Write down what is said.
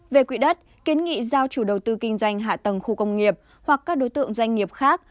về quỹ đất kiến nghị giao chủ đầu tư kinh doanh hạ tầng khu công nghiệp hoặc các đối tượng doanh nghiệp khác